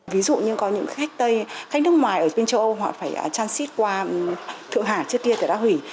ví dụ như có những khách tây khách nước ngoài ở bên châu âu họ phải transit qua thượng hà trước kia thì đã hủy